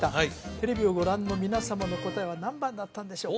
テレビをご覧の皆様の答えは何番だったんでしょう？